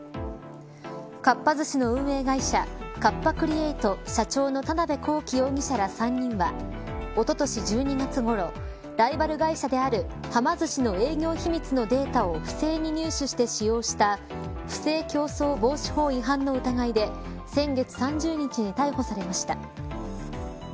カッパ・クリエイト社長の田辺公己容疑者ら３人はおととし１２月ごろライバル会社であるはま寿司の営業秘密のデータを不正に入手して使用した不正競争防止法違反の疑いで先月３０日に逮捕されました。